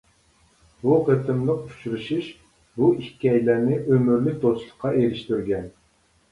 بۇ قېتىملىق ئۇچرىشىش بۇ ئىككىيلەننى ئۆمۈرلۈك دوستلۇققا ئېرىشتۈرگەن.